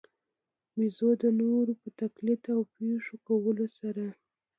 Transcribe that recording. بېزو د نورو په تقلید او پېښو کولو سره.